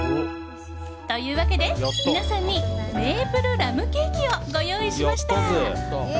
というわけで、皆さんにメープルラムケーキをご用意しました。